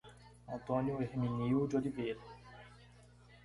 Antônio Herminio de Oliveira